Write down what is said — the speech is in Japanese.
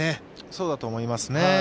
そうだと思いますね。